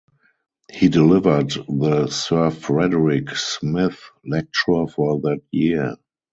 He delivered the Sir Frederick Smith Lecture for that year.